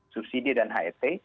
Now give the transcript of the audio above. subsidi dan het